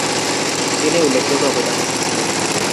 তিনি উল্লেখযোগ্য অবদান রেখেছিলেন৷